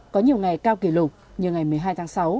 có nhiều ngày cao kỷ lục như ngày một mươi hai tháng sáu